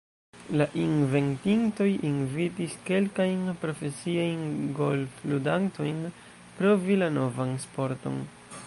La inventintoj invitis kelkajn profesiajn golfludantojn provi la novan sporton.